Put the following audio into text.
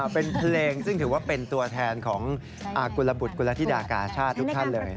เป็นเพลงซึ่งถือว่าเป็นตัวแทนของกุลบุตรกุลธิดากาชาติทุกท่านเลย